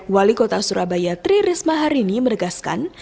wali kota surabaya tri risma hari ini menegaskan